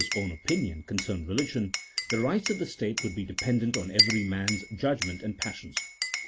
own opinion concern religion, the rights of the state would be dependent on every man's judgment and passions.